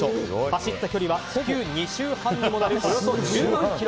走った距離は地球２周半にもなるおよそ１０万ｋｍ。